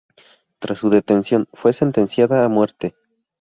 Tras su detención, fue sentenciada a muerte.